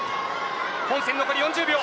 本戦残り４０秒。